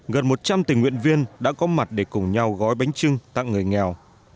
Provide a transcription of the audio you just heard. gần một trăm linh tình nguyện viên đã có mặt để cùng nhau gói bánh trưng tặng người nghèo